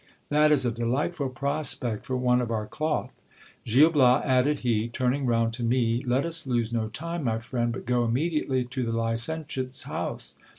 That is a delight ful prospect for one of our cloth ! Gil Bias, added he, turning round to me, let us lose no time, my friend, but go immediately to the licentiate's house.